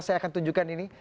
saya akan tunjukkan ini